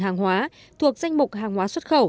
hàng hóa thuộc danh mục hàng hóa xuất khẩu